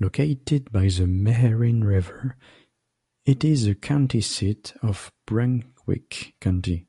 Located by the Meherrin River, it is the county seat of Brunswick County.